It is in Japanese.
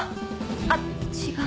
あっ違う。